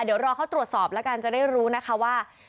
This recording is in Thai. เดี๋ยวรอเขาตรวจสอบแล้วกันจะได้รู้นะคะว่า